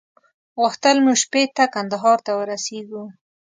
غوښتل مو شپې ته کندهار ته ورسېږو.